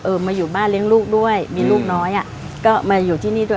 มาอยู่บ้านเลี้ยงลูกด้วยมีลูกน้อยอ่ะก็มาอยู่ที่นี่ด้วย